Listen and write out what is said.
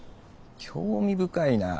興味深いな。